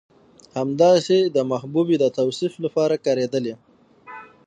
همداسې د محبوبې د توصيف لپاره کارېدلي